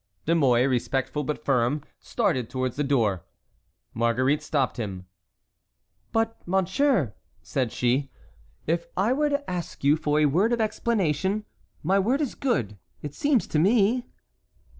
De Mouy, respectful but firm, started towards the door. Marguerite stopped him. "But, monsieur," said she, "if I were to ask you for a word of explanation, my word is good, it seems to me?"